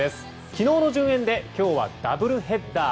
昨日の順延で今日はダブルヘッダー。